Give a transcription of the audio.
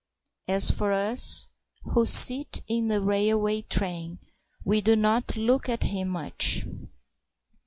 As for us who sit in the railway train, we do not look at him much.